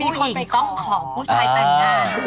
มีคนไปก้องของผู้ชายแต่งงาน